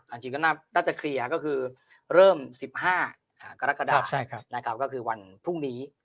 อาจจะเคลียร์ก็คือเริ่ม๑๕กรกฎาคมนาคารก็คือวันพรุ่งนี้